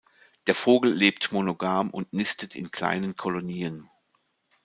Der Vogel lebt monogam und nistet in kleinen Kolonien.